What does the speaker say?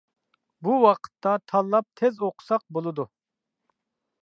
بۇ ۋاقىتتا تاللاپ، تېز ئوقۇساق بولىدۇ.